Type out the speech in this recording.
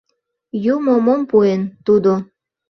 — Юмо мом пуэн, тудо.